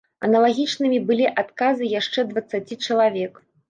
Аналагічнымі былі адказы яшчэ дваццаці чалавек.